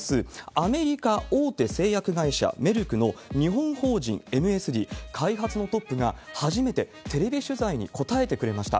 アメリカ大手製薬会社メルクの日本法人ＭＳＤ、開発のトップが初めてテレビ取材に答えてくれました。